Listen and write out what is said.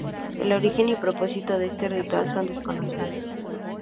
El origen y propósito de este ritual son desconocidos.